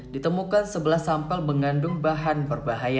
ditemukan sebelah sampel mengandung bahan berbahaya